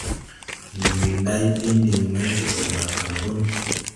Ndáy ɓin diŋ may tupuri ma Kamrun.